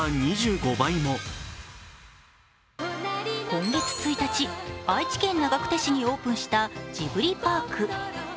今月１日、愛知県長久手市にオープンしたジブリパーク。